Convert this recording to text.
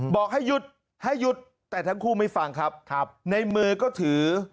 บอกให้หยุดให้หยุดแต่ทั้งคู่ไม่ฟังครับในมือก็ถือ